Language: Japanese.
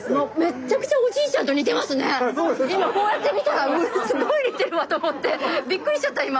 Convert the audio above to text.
今こうやって見たらすごい似てるわと思ってビックリしちゃった今。